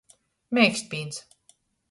Meikstpīns.